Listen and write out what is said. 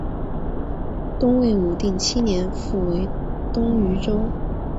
东魏武定七年复为东豫州。